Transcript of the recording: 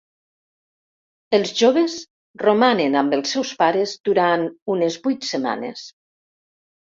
Els joves romanen amb els seus pares durant unes vuit setmanes.